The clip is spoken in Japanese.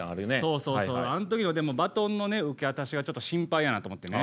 そうそうそうあん時はでもバトンのね受け渡しがちょっと心配やなと思ってね。